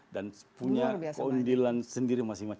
dan punya keundilan sendiri masing masing